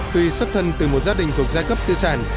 tuy xuất thân từ một gia đình thuộc giai cấp tư sản